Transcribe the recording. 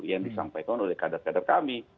yang disampaikan oleh kader kader kami